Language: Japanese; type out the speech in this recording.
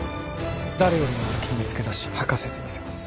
誰よりも先に見つけ出し吐かせてみせます